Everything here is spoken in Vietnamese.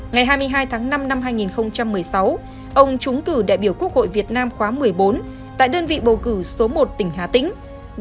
ngày hai mươi hai tháng năm năm hai nghìn một mươi sáu ông trúng cử đại biểu quốc hội việt nam khóa một mươi bốn tại đơn vị bầu cử số một tỉnh hà tĩnh